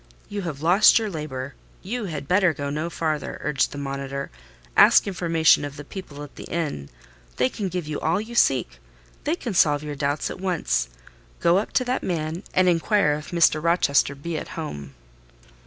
You have lost your labour—you had better go no farther," urged the monitor. "Ask information of the people at the inn; they can give you all you seek: they can solve your doubts at once. Go up to that man, and inquire if Mr. Rochester be at home."